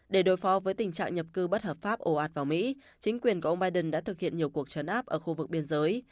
để đối phó với tình trạng nhập cư bất hợp pháp ổ ạt vào mỹ chính quyền của ông biden đã thực hiện nhiều cuộc trấn áp ở khu vực biên giới